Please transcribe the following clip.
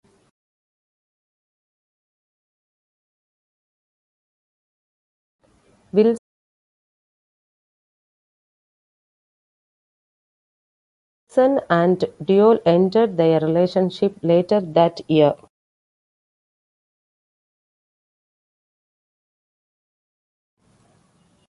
Wilson and Duell ended their relationship later that year.